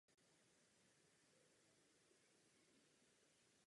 Za svoji statečnost v boji dostal po válce sovětské i československé vyznamenání.